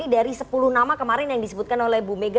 dari sepuluh nama kemarin yang disebutkan oleh bu mega